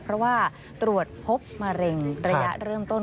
เพราะว่าตรวจพบมะเร็งระยะเริ่มต้น